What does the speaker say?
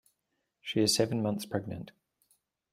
She is seven months pregnant.